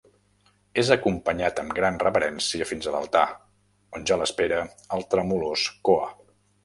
És acompanyat amb gran reverència fins a l'altar, on ja l'espera el tremolós Koa.